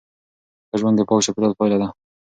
ښه ژوند د پاک چاپیریال پایله ده.